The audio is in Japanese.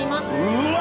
うわ！